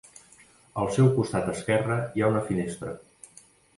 Al seu costat esquerre hi ha una finestra.